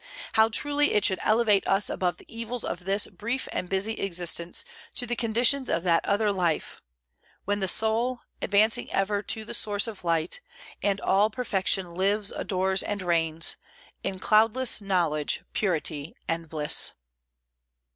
How truly it should elevate us above the evils of this brief and busy existence to the conditions of that other life, "When the soul, Advancing ever to the Source of light And all perfection, lives, adores, and reigns In cloudless knowledge, purity, and bliss!"